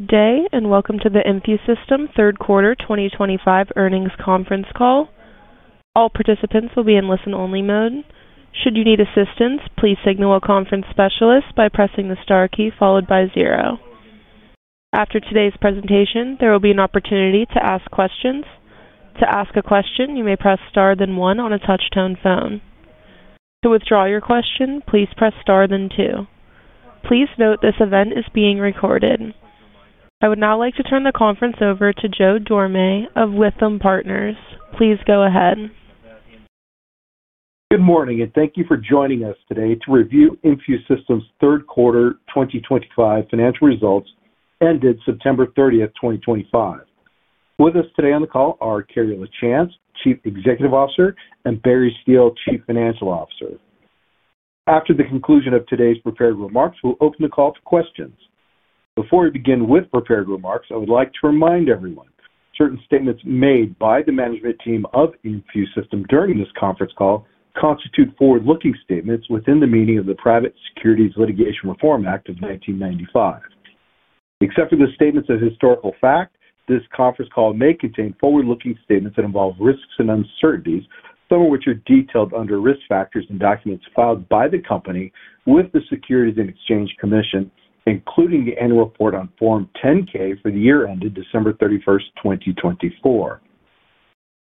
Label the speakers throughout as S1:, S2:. S1: Good day and welcome to the InfuSystem third quarter 2025 earnings conference call. All participants will be in listen-only mode. Should you need assistance, please signal a conference specialist by pressing the star key followed by zero. After today's presentation, there will be an opportunity to ask questions. To ask a question, you may press star then one on a touch-tone phone. To withdraw your question, please press star then two. Please note this event is being recorded. I would now like to turn the conference over to Joe Dorame of Lytham Partners. Please go ahead.
S2: Good morning, and thank you for joining us today to review InfuSystem's third quarter 2025 financial results ended September 30th, 2025. With us today on the call are Carrie LaChance, Chief Executive Officer, and Barry Steele, Chief Financial Officer. After the conclusion of today's prepared remarks, we'll open the call for questions. Before we begin with prepared remarks, I would like to remind everyone certain statements made by the management team of InfuSystem during this conference call constitute forward-looking statements within the meaning of the Private Securities Litigation Reform Act of 1995. Except for the statements of historical fact, this conference call may contain forward-looking statements that involve risks and uncertainties, some of which are detailed under risk factors in documents filed by the company with the Securities and Exchange Commission, including the annual report on Form 10-K for the year ended December 31st, 2024.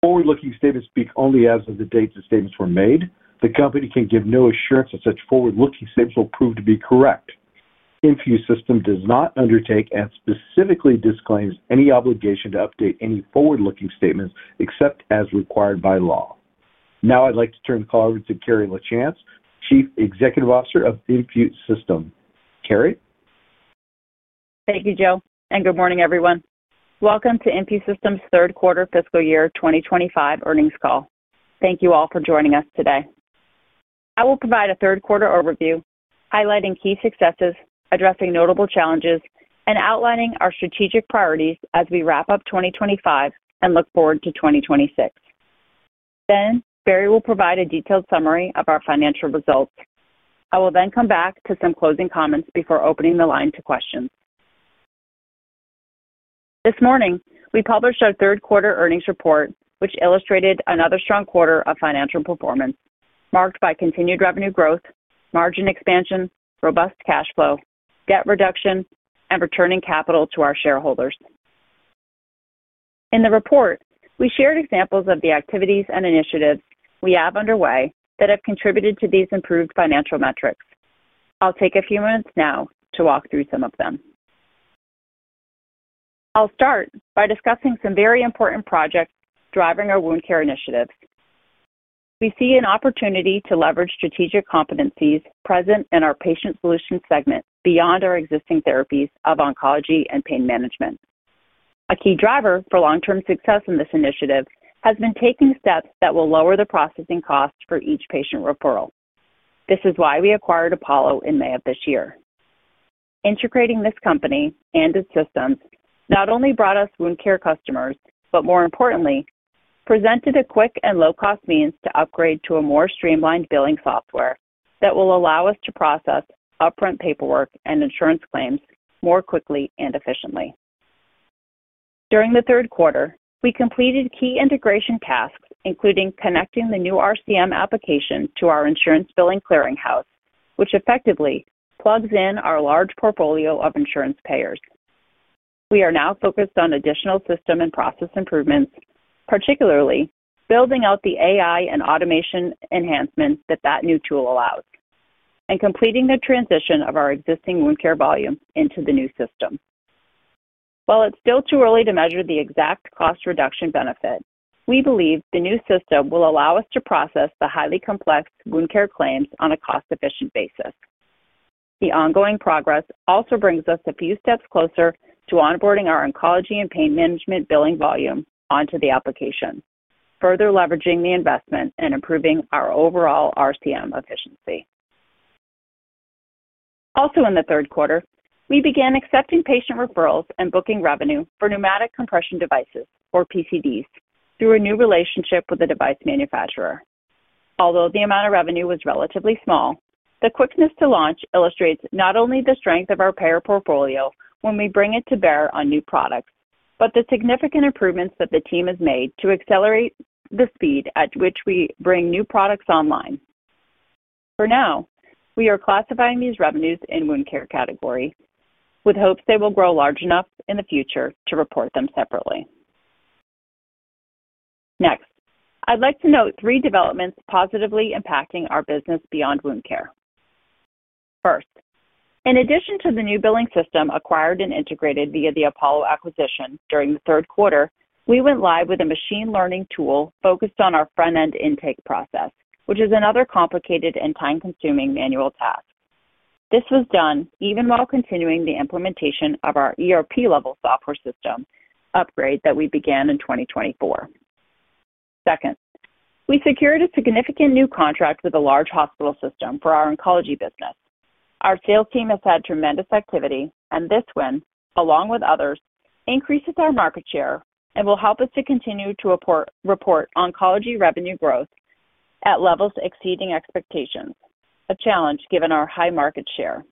S2: Forward-looking statements speak only as of the date the statements were made. The company can give no assurance that such forward-looking statements will prove to be correct. InfuSystem does not undertake and specifically disclaims any obligation to update any forward-looking statements except as required by law. Now I'd like to turn the call over to Carrie LaChance, Chief Executive Officer of InfuSystem. Carrie.
S3: Thank you, Joe. Good morning, everyone. Welcome to InfuSystem's third quarter fiscal year 2025 earnings call. Thank you all for joining us today. I will provide a third-quarter overview highlighting key successes, addressing notable challenges, and outlining our strategic priorities as we wrap up 2025 and look forward to 2026. Then Barry will provide a detailed summary of our financial results. I will then come back to some closing comments before opening the line to questions. This morning, we published our third-quarter earnings report, which illustrated another strong quarter of financial performance marked by continued revenue growth, margin expansion, robust cash flow, debt reduction, and returning capital to our shareholders. In the report, we shared examples of the activities and initiatives we have underway that have contributed to these improved financial metrics. I'll take a few minutes now to walk through some of them. I'll start by discussing some very important projects driving our wound care initiatives. We see an opportunity to leverage strategic competencies present in our patient solution segment beyond our existing therapies of oncology and pain management. A key driver for long-term success in this initiative has been taking steps that will lower the processing cost for each patient referral. This is why we acquired Apollo in May of this year. Integrating this company and its systems not only brought us wound care customers, but more importantly, presented a quick and low-cost means to upgrade to a more streamlined billing software that will allow us to process upfront paperwork and insurance claims more quickly and efficiently. During the third quarter, we completed key integration tasks, including connecting the new RCM application to our insurance billing clearing house, which effectively plugs in our large portfolio of insurance payers. We are now focused on additional system and process improvements, particularly building out the AI and automation enhancements that new tool allows, and completing the transition of our existing wound care volume into the new system. While it's still too early to measure the exact cost reduction benefit, we believe the new system will allow us to process the highly complex wound care claims on a cost-efficient basis. The ongoing progress also brings us a few steps closer to onboarding our oncology and pain management billing volume onto the application, further leveraging the investment and improving our overall RCM efficiency. Also, in the third quarter, we began accepting patient referrals and booking revenue for pneumatic compression devices, or PCDs, through a new relationship with the device manufacturer. Although the amount of revenue was relatively small, the quickness to launch illustrates not only the strength of our payer portfolio when we bring it to bear on new products, but the significant improvements that the team has made to accelerate the speed at which we bring new products online. For now, we are classifying these revenues in wound care category with hopes they will grow large enough in the future to report them separately. Next, I'd like to note three developments positively impacting our business beyond wound care. First, in addition to the new billing system acquired and integrated via the Apollo acquisition during the third quarter, we went live with a machine learning tool focused on our front-end intake process, which is another complicated and time-consuming manual task. This was done even while continuing the implementation of our ERP-level software system upgrade that we began in 2024. Second, we secured a significant new contract with a large hospital system for our oncology business. Our sales team has had tremendous activity, and this win, along with others, increases our market share and will help us to continue to report oncology revenue growth at levels exceeding expectations, a challenge given our high market share.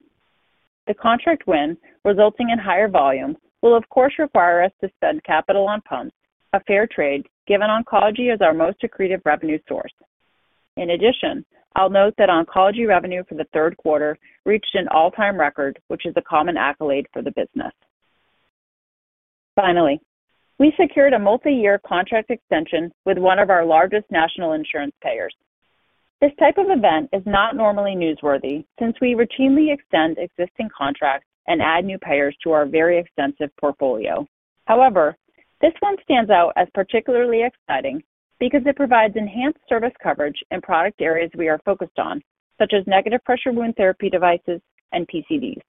S3: The contract win, resulting in higher volume, will of course require us to spend capital on pumps, a fair trade given oncology as our most accretive revenue source. In addition, I'll note that oncology revenue for the third quarter reached an all-time record, which is a common accolade for the business. Finally, we secured a multi-year contract extension with one of our largest national insurance payers. This type of event is not normally newsworthy since we routinely extend existing contracts and add new payers to our very extensive portfolio. However, this one stands out as particularly exciting because it provides enhanced service coverage in product areas we are focused on, such as negative pressure wound therapy devices and PCDs.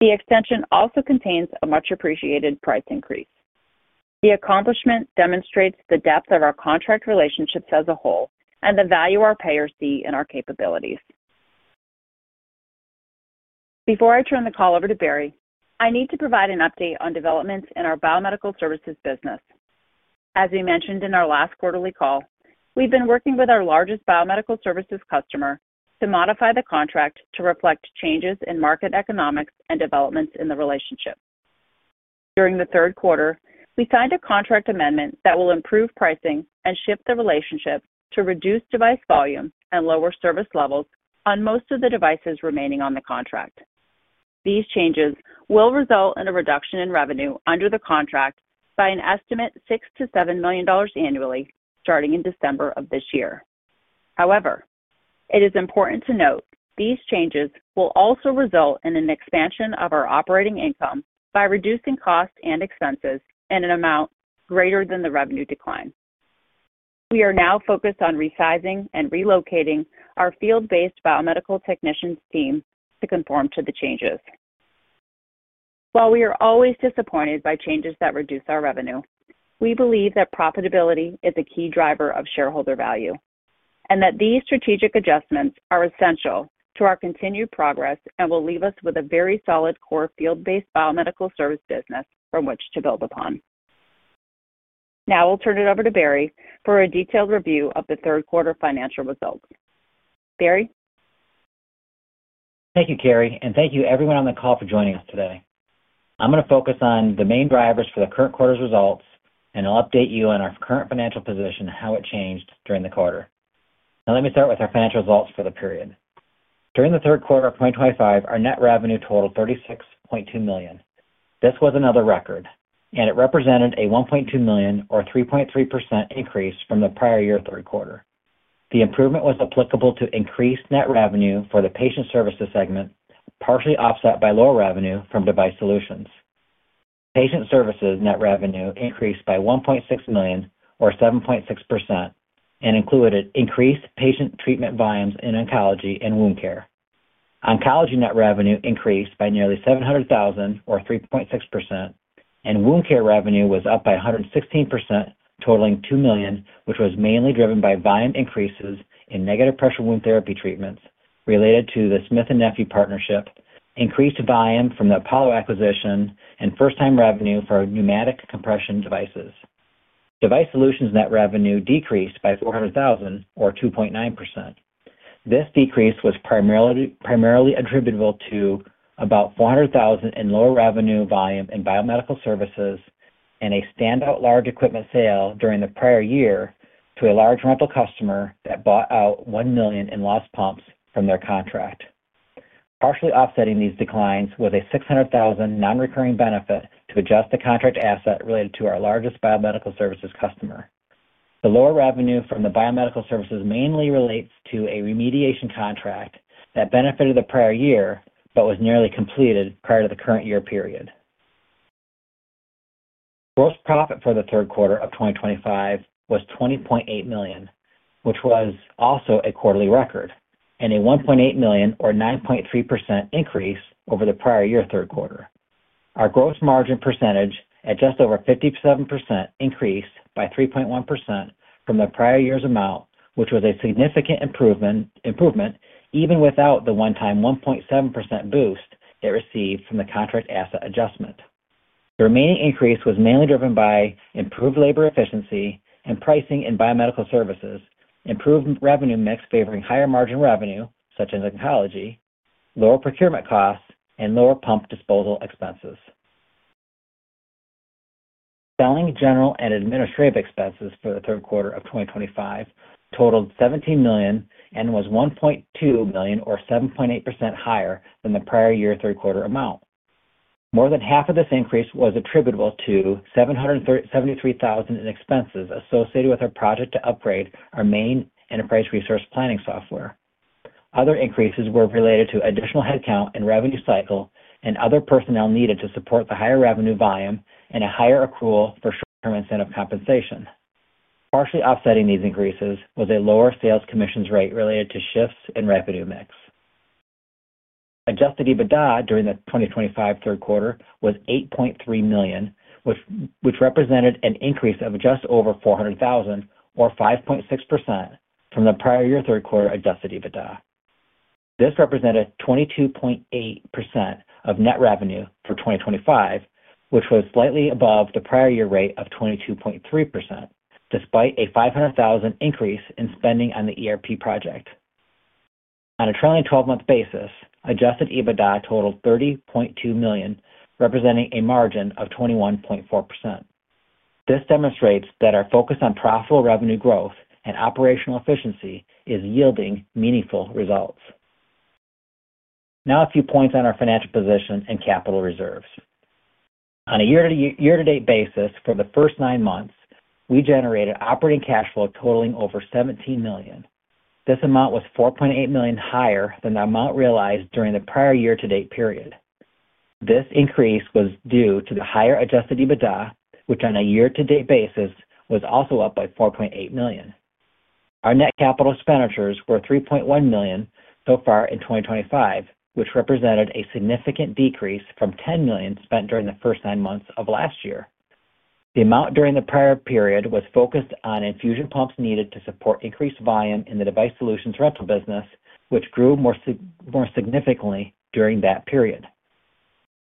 S3: The extension also contains a much-appreciated price increase. The accomplishment demonstrates the depth of our contract relationships as a whole and the value our payers see in our capabilities. Before I turn the call over to Barry, I need to provide an update on developments in our biomedical services business. As we mentioned in our last quarterly call, we've been working with our largest biomedical services customer to modify the contract to reflect changes in market economics and developments in the relationship. During the third quarter, we signed a contract amendment that will improve pricing and shift the relationship to reduce device volume and lower service levels on most of the devices remaining on the contract. These changes will result in a reduction in revenue under the contract by an estimate of $6-$7 million annually starting in December of this year. However, it is important to note these changes will also result in an expansion of our operating income by reducing costs and expenses in an amount greater than the revenue decline. We are now focused on resizing and relocating our field-based biomedical technicians' team to conform to the changes. While we are always disappointed by changes that reduce our revenue, we believe that profitability is a key driver of shareholder value and that these strategic adjustments are essential to our continued progress and will leave us with a very solid core field-based biomedical service business from which to build upon. Now I'll turn it over to Barry for a detailed review of the third-quarter financial results. Barry?
S4: Thank you, Carrie, and thank you everyone on the call for joining us today. I'm going to focus on the main drivers for the current quarter's results, and I'll update you on our current financial position and how it changed during the quarter. Now let me start with our financial results for the period. During the third quarter of 2025, our net revenue totaled $36.2 million. This was another record, and it represented a $1.2 million, or 3.3%, increase from the prior year third quarter. The improvement was applicable to increased net revenue for the patient services segment, partially offset by lower revenue from device solutions. Patient services net revenue increased by $1.6 million, or 7.6%, and included increased patient treatment volumes in oncology and wound care. Oncology net revenue increased by nearly $700,000, or 3.6%, and wound care revenue was up by 116%, totaling $2 million, which was mainly driven by volume increases in negative pressure wound therapy treatments related to the Smith & Nephew partnership, increased volume from the Apollo acquisition, and first-time revenue for pneumatic compression devices. Device solutions net revenue decreased by $400,000, or 2.9%. This decrease was primarily attributable to about $400,000 in lower revenue volume in biomedical services and a standout large equipment sale during the prior year to a large rental customer that bought out $1 million in lost pumps from their contract. Partially offsetting these declines was a $600,000 non-recurring benefit to adjust the contract asset related to our largest biomedical services customer. The lower revenue from the biomedical services mainly relates to a remediation contract that benefited the prior year but was nearly completed prior to the current year period. Gross profit for the third quarter of 2025 was $20.8 million, which was also a quarterly record, and a $1.8 million, or 9.3%, increase over the prior year third quarter. Our gross margin percentage at just over 57% increased by 3.1% from the prior year's amount, which was a significant improvement even without the one-time 1.7% boost it received from the contract asset adjustment. The remaining increase was mainly driven by improved labor efficiency and pricing in biomedical services, improved revenue mix favoring higher margin revenue, such as oncology, lower procurement costs, and lower pump disposal expenses. Selling general and administrative expenses for the third quarter of 2025 totaled $17 million and was $1.2 million, or 7.8%, higher than the prior year third quarter amount. More than half of this increase was attributable to $773,000 in expenses associated with our project to upgrade our main enterprise resource planning software. Other increases were related to additional headcount and revenue cycle and other personnel needed to support the higher revenue volume and a higher accrual for short-term incentive compensation. Partially offsetting these increases was a lower sales commissions rate related to shifts in revenue mix. Adjusted EBITDA during the 2025 third quarter was $8.3 million, which represented an increase of just over $400,000, or 5.6%, from the prior year third quarter adjusted EBITDA. This represented 22.8% of net revenue for 2025, which was slightly above the prior year rate of 22.3%, despite a $500,000 increase in spending on the ERP project. On a trailing 12-month basis, Adjusted EBITDA totaled $30.2 million, representing a margin of 21.4%. This demonstrates that our focus on profitable revenue growth and operational efficiency is yielding meaningful results. Now a few points on our financial position and capital reserves. On a year-to-date basis for the first nine months, we generated operating cash flow totaling over $17 million. This amount was $4.8 million higher than the amount realized during the prior year-to-date period. This increase was due to the higher Adjusted EBITDA, which on a year-to-date basis was also up by $4.8 million. Our net capital expenditures were $3.1 million so far in 2025, which represented a significant decrease from $10 million spent during the first nine months of last year. The amount during the prior period was focused on infusion pumps needed to support increased volume in the device solutions rental business, which grew more significantly during that period.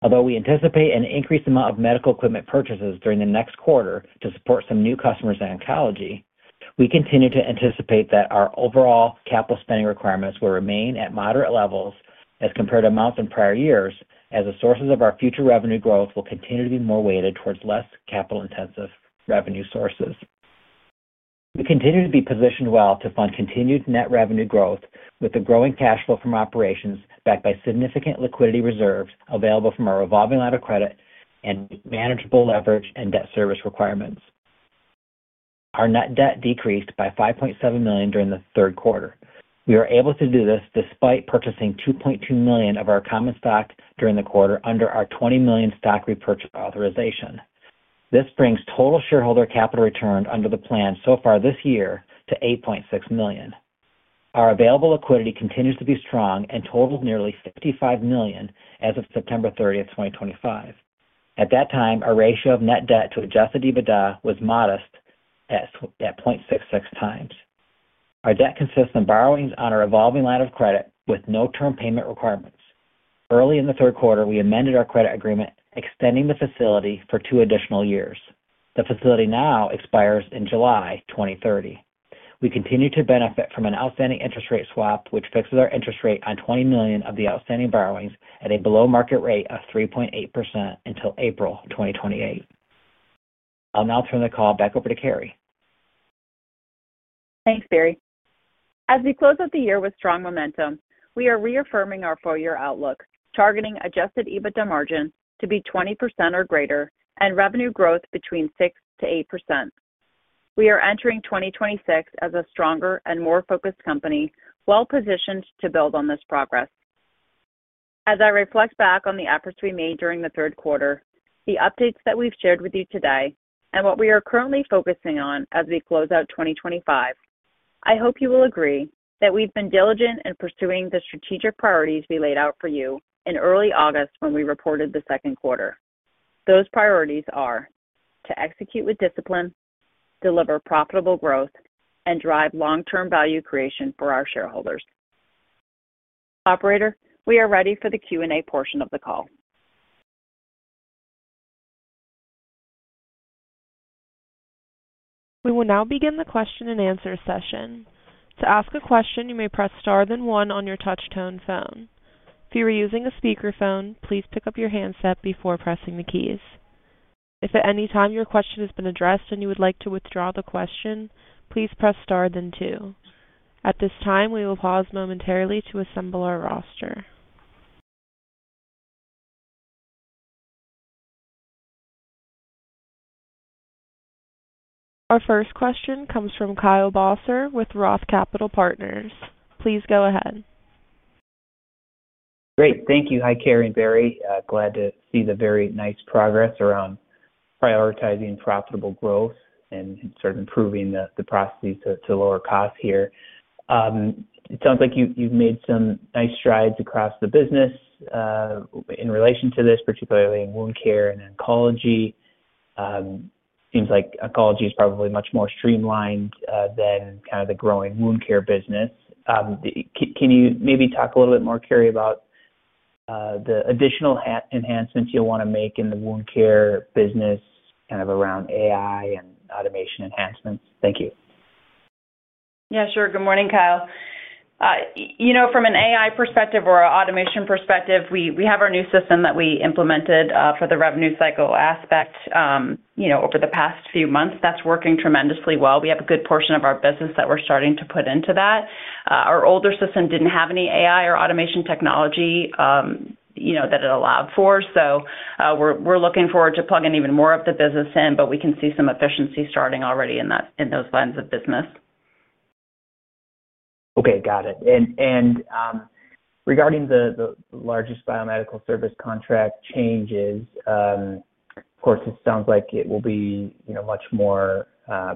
S4: Although we anticipate an increased amount of medical equipment purchases during the next quarter to support some new customers in oncology, we continue to anticipate that our overall capital spending requirements will remain at moderate levels as compared to amounts in prior years, as the sources of our future revenue growth will continue to be more weighted towards less capital-intensive revenue sources. We continue to be positioned well to fund continued net revenue growth with the growing cash flow from operations backed by significant liquidity reserves available from our revolving line of credit and manageable leverage and debt service requirements. Our net debt decreased by $5.7 million during the third quarter. We were able to do this despite purchasing $2.2 million of our common stock during the quarter under our $20 million stock repurchase authorization. This brings total shareholder capital return under the plan so far this year to $8.6 million. Our available liquidity continues to be strong and totals nearly $55 million as of September 30, 2025. At that time, our ratio of net debt to Adjusted EBITDA was modest at 0.66 times. Our debt consists of borrowings on our revolving line of credit with no term payment requirements. Early in the third quarter, we amended our credit agreement, extending the facility for two additional years. The facility now expires in July 2030. We continue to benefit from an outstanding interest rate swap, which fixes our interest rate on $20 million of the outstanding borrowings at a below-market rate of 3.8% until April 2028. I'll now turn the call back over to Carrie.
S3: Thanks, Barry. As we close out the year with strong momentum, we are reaffirming our four-year outlook, targeting Adjusted EBITDA margin to be 20% or greater and revenue growth between 6%-8%. We are entering 2026 as a stronger and more focused company, well-positioned to build on this progress. As I reflect back on the efforts we made during the third quarter, the updates that we've shared with you today, and what we are currently focusing on as we close out 2025, I hope you will agree that we've been diligent in pursuing the strategic priorities we laid out for you in early August when we reported the second quarter. Those priorities are to execute with discipline, deliver profitable growth, and drive long-term value creation for our shareholders. Operator, we are ready for the Q&A portion of the call.
S1: We will now begin the question-and-answer session. To ask a question, you may press star then one on your touch-tone phone. If you are using a speakerphone, please pick up your handset before pressing the keys. If at any time your question has been addressed and you would like to withdraw the question, please press star then two. At this time, we will pause momentarily to assemble our roster. Our first question comes from Kyle Bosser with Roth Capital Partners. Please go ahead.
S5: Great. Thank you. Hi, Carrie and Barry. Glad to see the very nice progress around prioritizing profitable growth and sort of improving the processes to lower costs here. It sounds like you've made some nice strides across the business. In relation to this, particularly in wound care and oncology. It seems like oncology is probably much more streamlined than kind of the growing wound care business. Can you maybe talk a little bit more, Carrie, about the additional enhancements you'll want to make in the wound care business kind of around AI and automation enhancements? Thank you.
S3: Yeah, sure. Good morning, Kyle. From an AI perspective or an automation perspective, we have our new system that we implemented for the revenue cycle aspect. Over the past few months, that's working tremendously well. We have a good portion of our business that we're starting to put into that. Our older system didn't have any AI or automation technology. That it allowed for. So we're looking forward to plugging even more of the business in, but we can see some efficiency starting already in those lines of business.
S5: Okay. Got it. And regarding the largest biomedical service contract changes. Of course, it sounds like it will be much more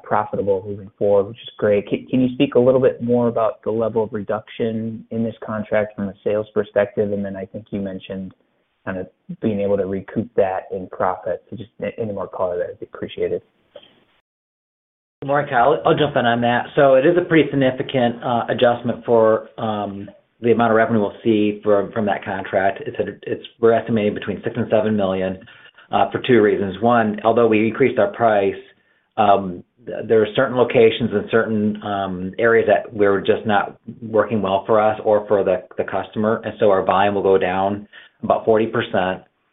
S5: profitable moving forward, which is great. Can you speak a little bit more about the level of reduction in this contract from a sales perspective? And then I think you mentioned kind of being able to recoup that in profit. So just any more color there would be appreciated.
S4: Good morning, Kyle. I'll jump in on that. So it is a pretty significant adjustment for the amount of revenue we'll see from that contract. We're estimating between $6 and $7 million for two reasons. One, although we increased our price. There are certain locations and certain areas that were just not working well for us or for the customer. And so our volume will go down about 40%.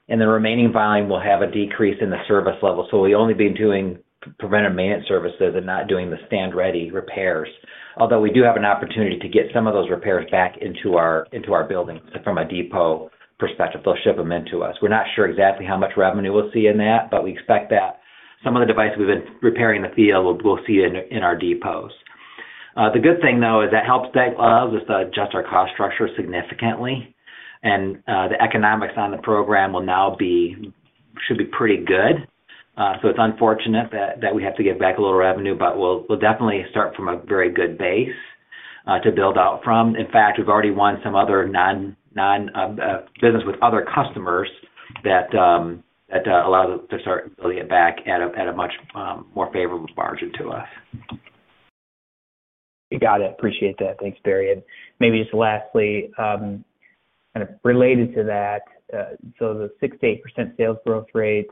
S4: And the remaining volume will have a decrease in the service level. So we'll only be doing preventive maintenance services and not doing the stand-ready repairs. Although we do have an opportunity to get some of those repairs back into our building from a depot perspective. They'll ship them into us. We're not sure exactly how much revenue we'll see in that, but we expect that some of the devices we've been repairing in the field, we'll see in our depots. The good thing, though, is that it allows us to adjust our cost structure significantly. And the economics on the program will now should be pretty good. So it's unfortunate that we have to give back a little revenue, but we'll definitely start from a very good base to build out from. In fact, we've already won some other business with other customers that allows us to start building it back at a much more favorable margin to us.
S5: Got it. Appreciate that. Thanks, Barry. And maybe just lastly. Kind of related to that. So the 6%-8% sales growth rate.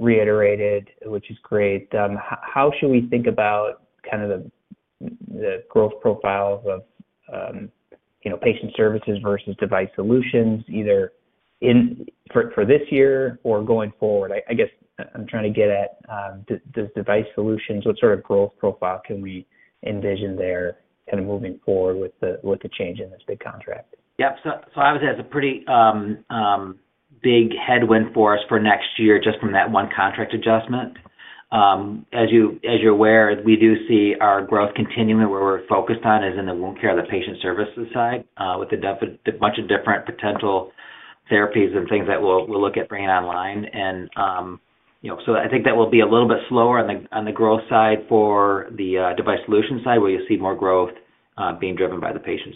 S5: Reiterated, which is great. How should we think about kind of the. Growth profile of. Patient services versus device solutions, either. For this year or going forward? I guess I'm trying to get at. Does device solutions, what sort of growth profile can we envision there kind of moving forward with the change in this big contract?
S4: Yeah. So I would say it's a pretty big headwind for us for next year just from that one contract adjustment. As you're aware, we do see our growth continuing where we're focused on is in the wound care, the patient services side with a bunch of different potential therapies and things that we'll look at bringing online. And so I think that will be a little bit slower on the growth side for the device solution side, where you'll see more growth being driven by the patient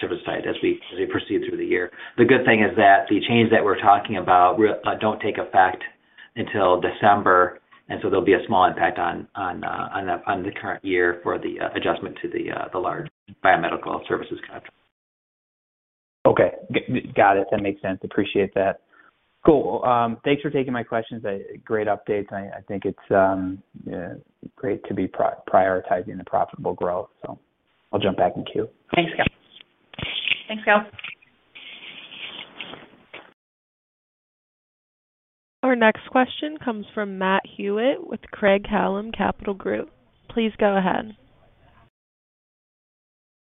S4: service side as we proceed through the year. The good thing is that the changes that we're talking about don't take effect until December. And so there'll be a small impact on the current year for the adjustment to the large biomedical services contract.
S5: Okay. Got it. That makes sense. Appreciate that. Cool. Thanks for taking my questions. Great updates. I think it's great to be prioritizing the profitable growth. So I'll jump back in queue.
S4: Thanks, Kyle.
S3: Thanks, Kyle.
S1: Our next question comes from Matt Hewitt with Craig-Hallum Capital Group. Please go ahead.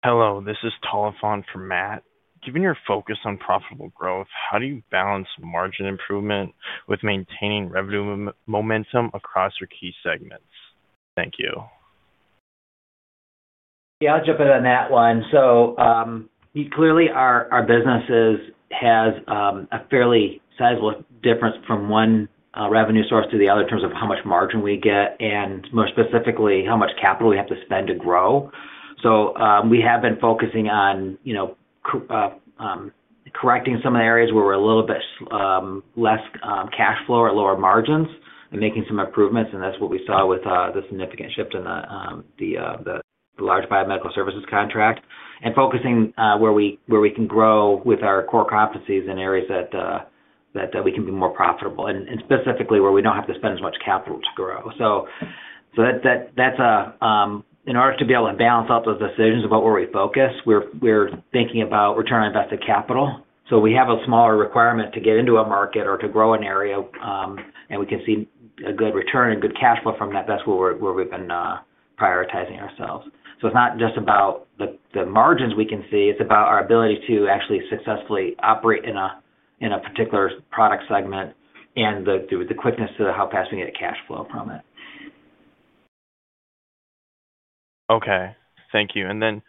S6: Hello. This is Tala Phan from Craig-Hallum Capital Group. Given your focus on profitable growth, how do you balance margin improvement with maintaining revenue momentum across your key segments? Thank you.
S4: Yeah. I'll jump in on that one. So, clearly, our business has a fairly sizable difference from one revenue source to the other in terms of how much margin we get and, more specifically, how much capital we have to spend to grow. So we have been focusing on correcting some of the areas where we're a little bit less cash flow or lower margins and making some improvements. And that's what we saw with the significant shift in the large biomedical services contract and focusing where we can grow with our core competencies in areas that we can be more profitable and specifically where we don't have to spend as much capital to grow. So, in order to be able to balance out those decisions about where we focus, we're thinking about return on invested capital. So we have a smaller requirement to get into a market or to grow an area, and we can see a good return and good cash flow from that. That's where we've been prioritizing ourselves. So it's not just about the margins we can see. It's about our ability to actually successfully operate in a particular product segment and the quickness to how fast we get cash flow from it.
S6: Okay. Thank you. And then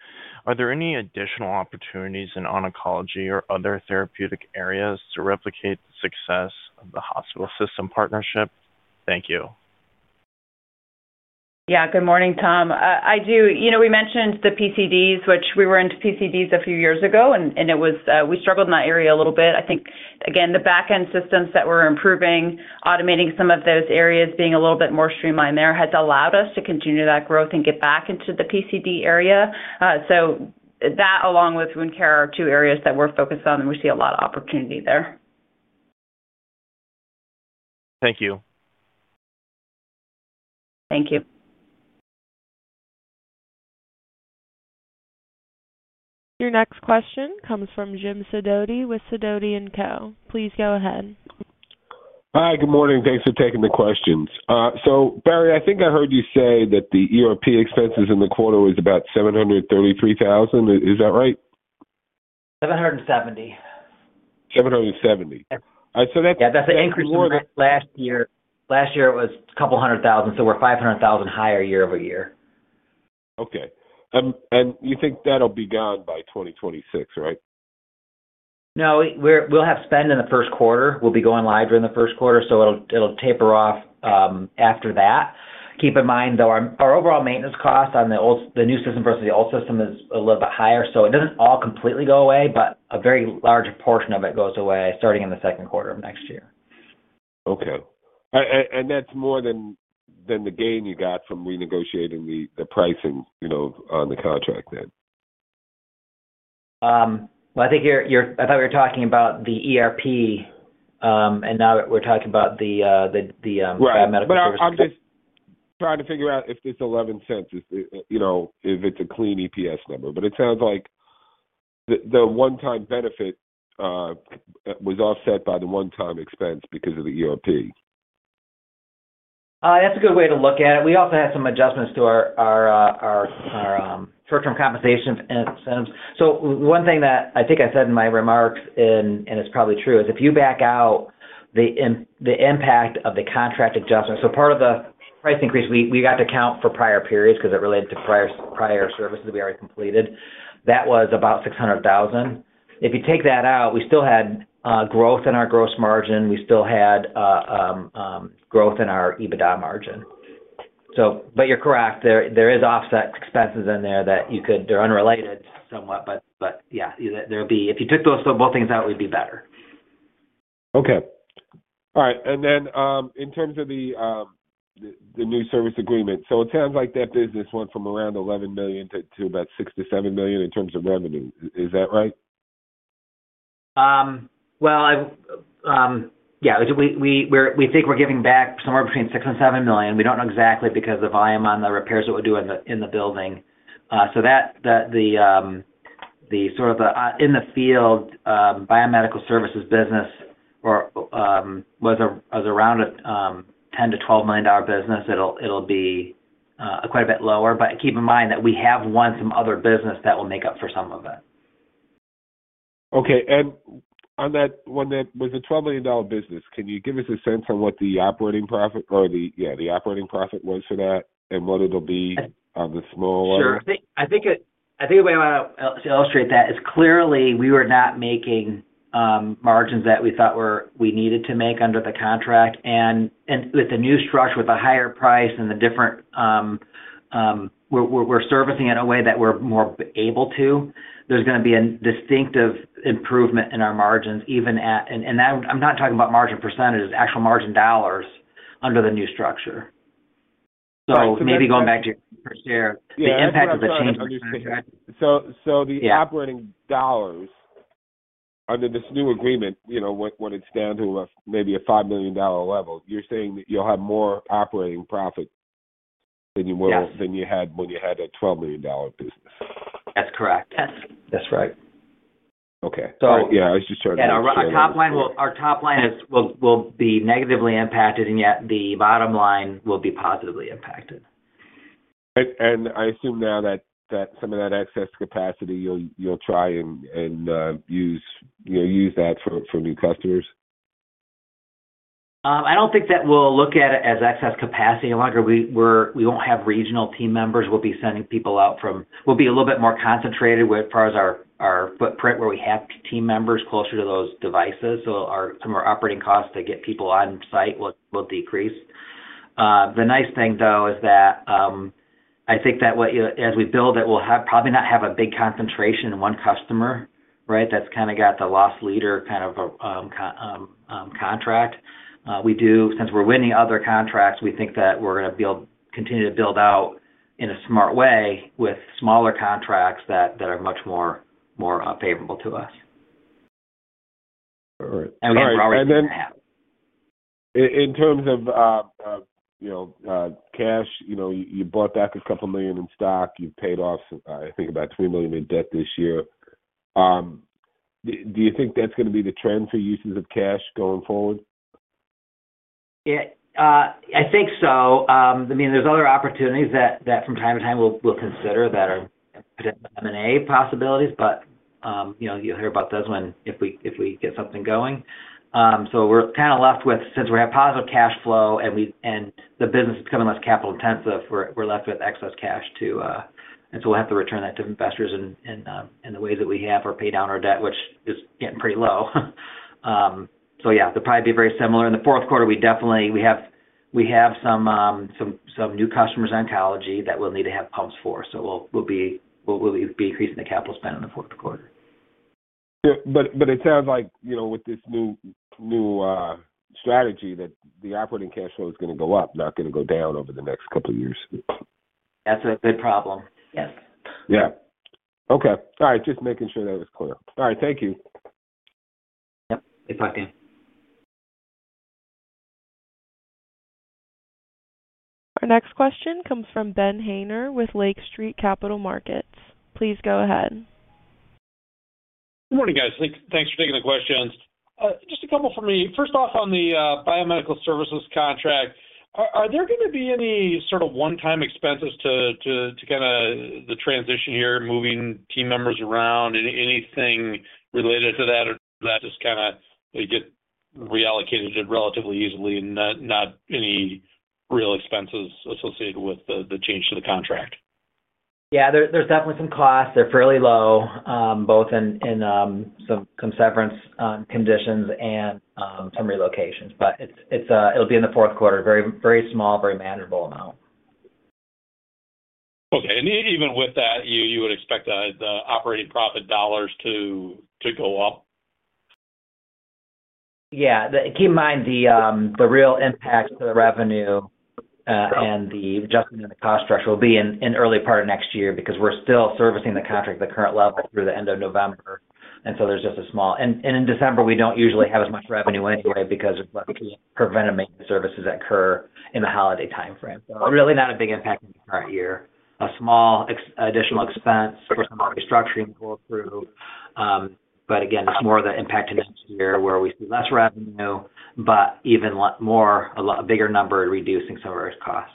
S6: are there any additional opportunities in oncology or other therapeutic areas to replicate the success of the hospital system partnership? Thank you.
S3: Yeah. Good morning, Tom. We mentioned the PCDs, which we were into PCDs a few years ago, and we struggled in that area a little bit. I think, again, the backend systems that we're improving, automating some of those areas, being a little bit more streamlined there has allowed us to continue that growth and get back into the PCD area. So that, along with wound care, are two areas that we're focused on, and we see a lot of opportunity there.
S6: Thank you.
S3: Thank you.
S1: Your next question comes from Jim Sidoti with Sidoti & Company. Please go ahead.
S7: Hi. Good morning. Thanks for taking the questions. So, Barry, I think I heard you say that the ERP expenses in the quarter was about $733,000. Is that right?
S4: 770.
S7: All right. So that's a little bit more.
S4: Yeah. That's an increase from last year. Last year, it was $200,000. So we're $500,000 higher year over year.
S7: Okay. And you think that'll be gone by 2026, right?
S4: No. We'll have spend in the first quarter. We'll be going live during the first quarter. So it'll taper off after that. Keep in mind, though, our overall maintenance cost on the new system versus the old system is a little bit higher. So it doesn't all completely go away, but a very large portion of it goes away starting in the second quarter of next year.
S7: Okay. That's more than the gain you got from renegotiating the pricing on the contract then?
S4: Well, I thought we were talking about the ERP. And now we're talking about the biomedical services.
S7: But I'm just trying to figure out if this $0.11, if it's a clean EPS number. But it sounds like the one-time benefit was offset by the one-time expense because of the ERP.
S4: That's a good way to look at it. We also had some adjustments to our short-term compensation incentives. So one thing that I think I said in my remarks, and it's probably true, is if you back out the impact of the contract adjustment, so part of the price increase, we got to account for prior periods because it related to prior services we already completed. That was about $600,000. If you take that out, we still had growth in our gross margin. We still had growth in our EBITDA margin. But you're correct. There are offset expenses in there that you could, they're unrelated somewhat. But yeah, if you took both things out, it would be better.
S7: Okay. All right. And then in terms of the new service agreement, so it sounds like that business went from around $11 million to about $6 million-$7 million in terms of revenue. Is that right?
S4: Yeah. We think we're giving back somewhere between $6 million and $7 million. We don't know exactly because of the volume on the repairs that we'll do in the building. So, sort of, the in-the-field biomedical services business was around a $10-$12 million business. It'll be quite a bit lower. But keep in mind that we have won some other business that will make up for some of it.
S7: Okay. And on that, with the $12 million business, can you give us a sense on what the operating profit or the, yeah, the operating profit was for that and what it'll be on the small order?
S4: Sure. I think the way I want to illustrate that is clearly we were not making margins that we thought we needed to make under the contract. And with the new structure, with a higher price and the different, we're servicing it in a way that we're more able to. There's going to be a distinctive improvement in our margins even at, and I'm not talking about margin percentages, actual margin dollars under the new structure. So maybe going back to your first year, the impact of the change in the structure.
S7: So, the operating dollars under this new agreement, when it's down to maybe a $5 million level, you're saying that you'll have more operating profit than you had when you had a $12 million business?
S4: That's correct.
S5: That's right.
S7: Okay. So yeah, I was just trying to ask you.
S4: Yeah. Our top line will be negatively impacted, and yet the bottom line will be positively impacted.
S7: And I assume now that some of that excess capacity, you'll try and use that for new customers?
S4: I don't think that we'll look at it as excess capacity any longer. We won't have regional team members. We'll be sending people out from, we'll be a little bit more concentrated as far as our footprint, where we have team members closer to those devices. So some of our operating costs to get people on site will decrease. The nice thing, though, is that I think that as we build it, we'll probably not have a big concentration in one customer, right? That's kind of the loss leader kind of contract. Since we're winning other contracts, we think that we're going to continue to build out in a smart way with smaller contracts that are much more favorable to us.
S7: All right. And then, in terms of cash, you bought back a couple million in stock. You've paid off, I think, about $2 million in debt this year. Do you think that's going to be the trend for uses of cash going forward?
S4: Yeah. I think so. I mean, there's other opportunities that from time to time we'll consider that are potentially M&A possibilities, but you'll hear about those when, if we get something going, so we're kind of left with, since we have positive cash flow and the business is becoming less capital intensive, we're left with excess cash to, and so we'll have to return that to investors in the ways that we have or pay down our debt, which is getting pretty low, so yeah, they'll probably be very similar. In the fourth quarter, we definitely have some new customers in oncology that we'll need to have pumps for, so we'll be increasing the capital spend in the fourth quarter.
S7: Yeah. But it sounds like with this new strategy that the operating cash flow is going to go up, not going to go down over the next couple of years.
S4: That's a good problem. Yes.
S7: Yeah. Okay. All right. Just making sure that was clear. All right. Thank you.
S4: Yep. Good talking to you.
S1: Our next question comes from Ben Hayner with Lake Street Capital Markets. Please go ahead.
S8: Good morning, guys. Thanks for taking the questions. Just a couple for me. First off, on the biomedical services contract, are there going to be any sort of one-time expenses to kind of the transition here, moving team members around, anything related to that, or does that just kind of get reallocated relatively easily and not any real expenses associated with the change to the contract?
S4: Yeah. There's definitely some costs. They're fairly low, both in some severance conditions and some relocations. But it'll be in the fourth quarter, very small, very manageable amount.
S7: Okay, and even with that, you would expect the operating profit dollars to go up?
S4: Yeah. Keep in mind the real impact to the revenue. And the adjustment in the cost structure will be in the early part of next year because we're still servicing the contract at the current level through the end of November. And so there's just a small, and in December, we don't usually have as much revenue anyway because of preventative maintenance services that occur in the holiday timeframe. So really not a big impact in the current year. A small additional expense for some of the restructuring to go through. But again, it's more of the impact in next year where we see less revenue, but even a bigger number in reducing some of our costs.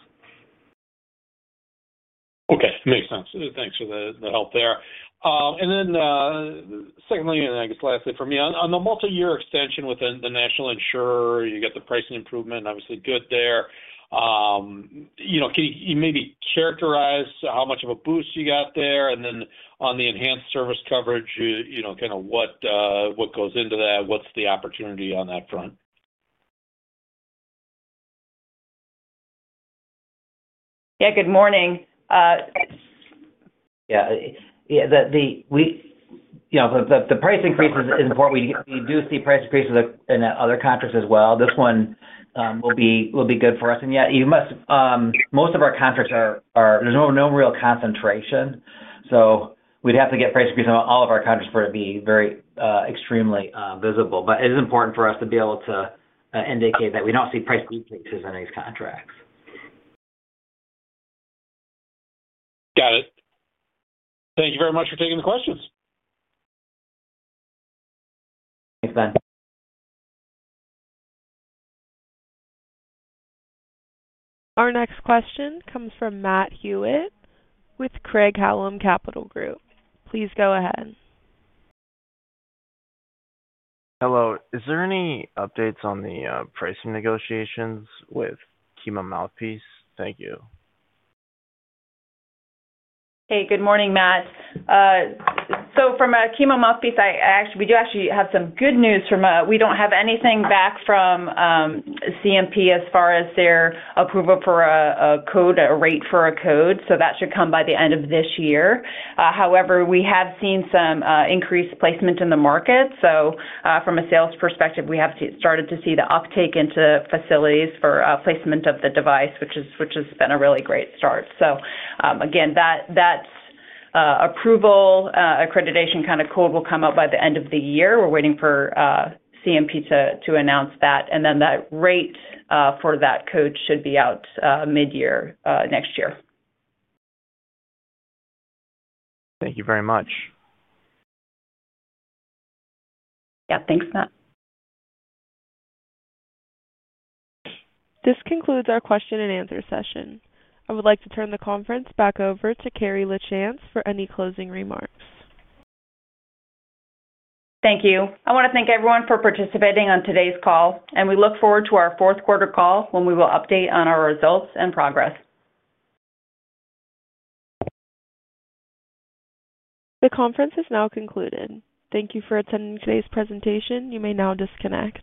S8: Okay. Makes sense. Thanks for the help there. And then. Secondly, and I guess lastly for me, on the multi-year extension with the National Insurer, you got the pricing improvement, obviously good there. Can you maybe characterize how much of a boost you got there? And then on the enhanced service coverage, kind of what goes into that? What's the opportunity on that front?
S3: Yeah. Good morning.
S4: Yeah. The price increase is important. We do see price increases in other contracts as well. This one will be good for us. And yeah, most of our contracts are. There's no real concentration. So we'd have to get price increases on all of our contracts for it to be extremely visible. But it is important for us to be able to indicate that we don't see price increases in these contracts.
S8: Got it. Thank you very much for taking the questions.
S4: Thanks, Ben.
S1: Our next question comes from Matt Hewitt with Craig-Hallum Capital Group. Please go ahead.
S6: Hello. Is there any updates on the pricing negotiations with Kima Mouthpiece? Thank you.
S3: Hey, good morning, Matt. So from Kima Mouthpiece, we do actually have some good news. We don't have anything back from CMS as far as their approval for a code, a rate for a code. So that should come by the end of this year. However, we have seen some increased placement in the market. So from a sales perspective, we have started to see the uptake into facilities for placement of the device, which has been a really great start. So again, that approval accreditation kind of code will come out by the end of the year. We're waiting for CMS to announce that. And then that rate for that code should be out mid-year next year.
S6: Thank you very much.
S3: Yeah. Thanks, Matt.
S1: This concludes our question and answer session. I would like to turn the conference back over to Carrie LaChance for any closing remarks.
S3: Thank you. I want to thank everyone for participating on today's call, and we look forward to our fourth-quarter call when we will update on our results and progress.
S1: The conference is now concluded. Thank you for attending today's presentation. You may now disconnect.